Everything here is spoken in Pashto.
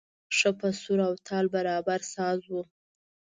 ښه په سور او تال برابر ساز و.